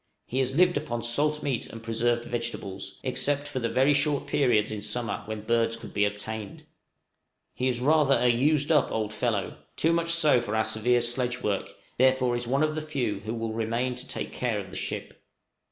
He has lived upon salt meat and preserved vegetables, except for the very short periods in summer when birds could be obtained. He is rather a "used up" old fellow, too much so for our severe sledge work, therefore is one of the few who will remain to take care of the ship.